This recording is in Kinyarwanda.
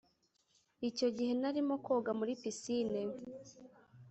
Icyo gihe narimo koga muri pisine